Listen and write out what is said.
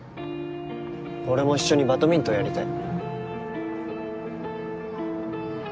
俺も一緒にバドミントンやりたい。